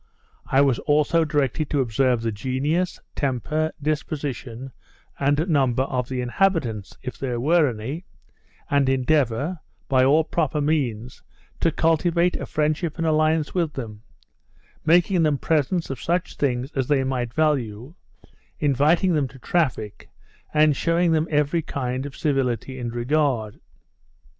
I was also directed to observe the genius, temper, disposition, and number of the inhabitants, if there were any, and endeavour, by all proper means, to cultivate a friendship and alliance with them; making them presents of such things as they might value; inviting them to traffic, and shewing them every kind of civility and regard.